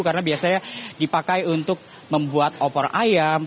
karena biasanya dipakai untuk membuat opor ayam